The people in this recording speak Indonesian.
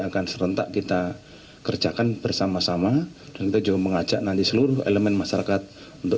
akan serentak kita kerjakan bersama sama dan kita juga mengajak nanti seluruh elemen masyarakat untuk